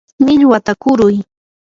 millwata kuruy.